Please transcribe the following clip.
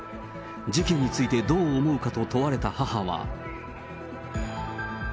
事件について、どう思うかと問われた母は。